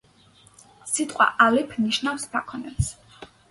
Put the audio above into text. სიტყვა ალეფ ნიშნავს საქონელს.